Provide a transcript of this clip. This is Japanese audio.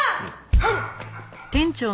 はい。